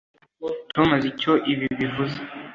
Tom azi icyo ibi bivuze